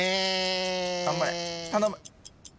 頑張れ頼む！